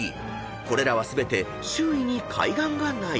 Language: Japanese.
［これらは全て周囲に海岸がない］